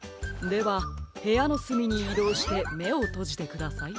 ではへやのすみにいどうしてめをとじてください。